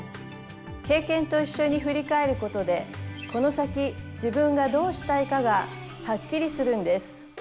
経験と一緒に振り返ることでこの先自分がどうしたいかがはっきりするんです。